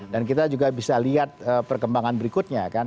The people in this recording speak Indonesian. dan kita juga bisa lihat perkembangan berikutnya